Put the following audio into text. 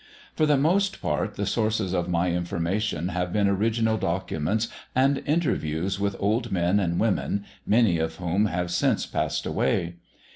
For the most part the sources of my information have been original documents and interviews with old men and women, many of whom have since passed away.